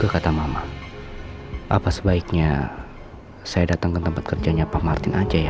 kata mama apa sebaiknya saya datang ke tempat kerjanya pak martin aja ya